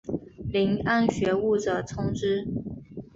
遴谙学务者充之。